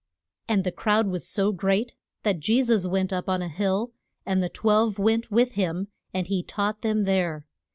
] And the crowd was so great that Je sus went up on a hill, and the twelve went with him and he taught them there.